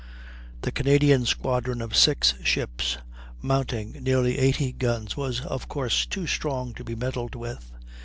The Canadian squadron of six ships, mounting nearly 80 guns, was of course too strong to be meddled with.